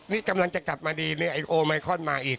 นี่กำลังจะกลับมาดีเนี่ยไอ้โอไมคอนมาอีก